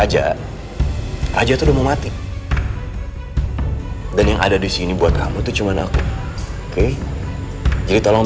raja raja tuh mau mati dan yang ada di sini buat kamu cuman aku oke jadi tolong